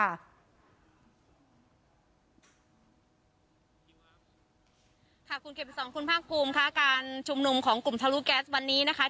ค่ะคุณเข็มสอนคุณภาคภูมิค่ะการชุมนุมของกลุ่มทะลุแก๊สวันนี้นะคะ